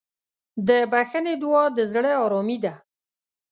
د بښنې دعا د زړه ارامي ده.